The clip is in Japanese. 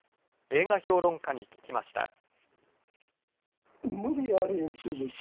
映画評論家に聞きました。